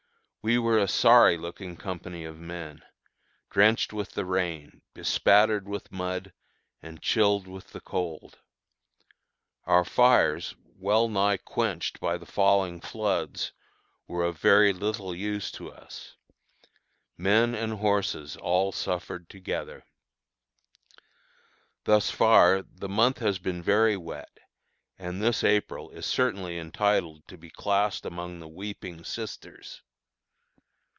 We were a sorry looking company of men, drenched with the rain, bespattered with mud, and chilled with the cold. Our fires, well nigh quenched by the falling floods, were of very little use to us. Men and horses all suffered together. Thus far the month has been very wet, and this April is certainly entitled to be classed among the Weeping Sisters.